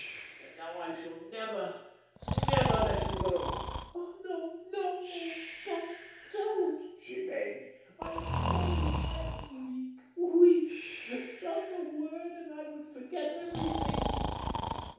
And now I shall never, never let you go." "No, no! Ah, don't, don't!" she begged. "I implore you. I am weak, weak. Just a word, and I would forget everything."